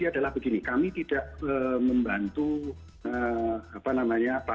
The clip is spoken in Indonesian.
terima kasih mbak